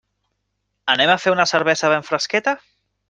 Anem a fer una cervesa ben fresqueta?